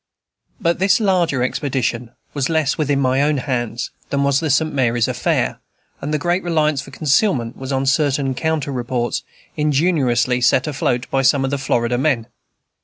But this larger expedition was less within my own hands than was the St. Mary's affair, and the great reliance for concealment was on certain counter reports, ingeniously set afloat by some of the Florida men.